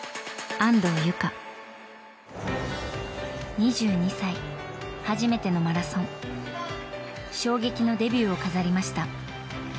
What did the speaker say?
２２歳、初めてのマラソン衝撃のデビューを飾りました。